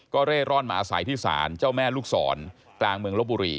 เร่ร่อนมาอาศัยที่ศาลเจ้าแม่ลูกศรกลางเมืองลบบุรี